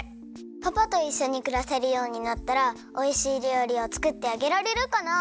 パパといっしょにくらせるようになったらおいしいりょうりをつくってあげられるかな？